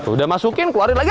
udah masukin keluarin lagi